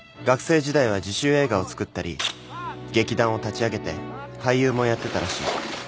学生時代は自主映画を作ったり劇団を立ち上げて俳優もやってたらしい。